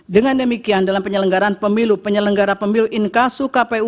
dengan demikian dalam penyelenggaraan pemilu penyelenggara pemilu inkasuh kpu dan bawal sub sub setelah jajarannya